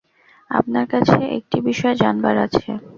আপনার কাছে একটি বিষয় জানবার আছে।